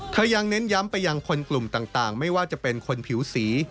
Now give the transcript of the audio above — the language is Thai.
ยังเน้นย้ำไปยังคนกลุ่มต่างไม่ว่าจะเป็นคนผิวสี